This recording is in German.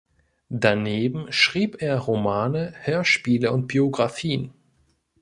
Daneben schrieb er Romane, Hörspiele und Biografien.